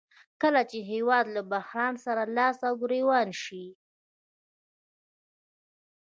کله چې هېواد له بحران سره لاس او ګریوان شي